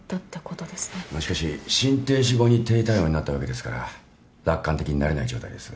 しかし心停止後に低体温になったわけですから楽観的になれない状態です。